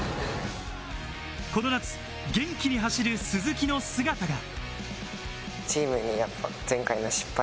この夏、元気に走る鈴木の姿が。